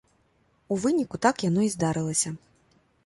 У выніку так яно і здарылася.